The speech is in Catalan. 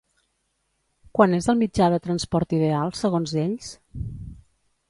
Quan és el mitjà de transport ideal, segons ells?